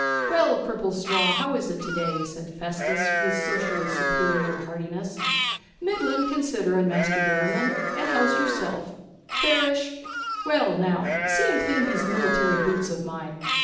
'Well, Cripplestraw, how is it to day?' said Festus, with socially superior heartiness. 'Middlin', considering, Maister Derriman. And how's yerself?' 'Fairish. Well, now, see and clean these military boots of mine.